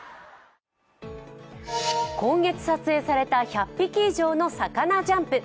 今月撮影された１００匹以上の魚ジャンプ。